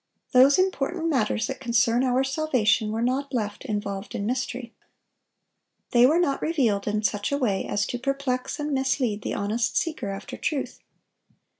Those important matters that concern our salvation were not left involved in mystery. They were not revealed in such a way as to perplex and mislead the honest seeker after truth.